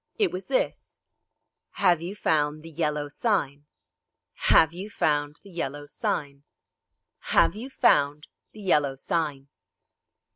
It was this: "Have you found the Yellow Sign?" "Have you found the Yellow Sign?" "Have you found the Yellow Sign?"